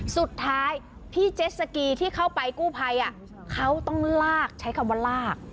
สุดท้ายพี่เจ็ดสกีที่เข้าไปกู้ภัยเขาต้องลากใช้คำว่าลาก